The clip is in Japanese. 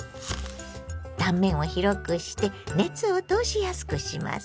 断面を広くして熱を通しやすくします。